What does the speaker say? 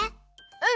うん！